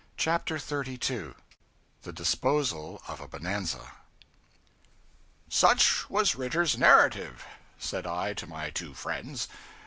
CHAPTER 32 The Disposal of a Bonanza 'SUCH was Ritter's narrative,' said I to my two friends.